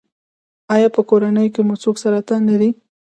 ایا په کورنۍ کې مو څوک سرطان لري؟